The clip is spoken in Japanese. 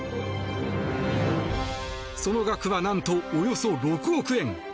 その額は何とおよそ６億円。